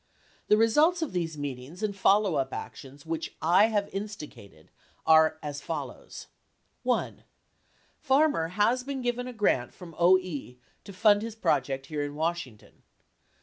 The results of these meetings and follow up actions which. I have instigated are as follows: 1. Farmer has been given a grant from OE to fund his project here in Washington.